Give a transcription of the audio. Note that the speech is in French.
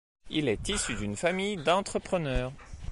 Il est issu d’une famille d’entrepreneurs.